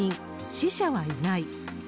死者はいない。